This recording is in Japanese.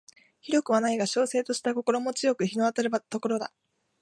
広くはないが瀟洒とした心持ち好く日の当たる所だ